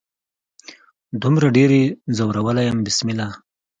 دومره ډیر يې ځورولي يم بسمله